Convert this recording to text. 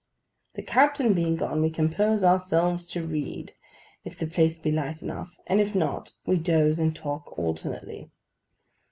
The captain being gone, we compose ourselves to read, if the place be light enough; and if not, we doze and talk alternately.